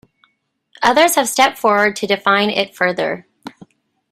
Others have stepped forward to define it further.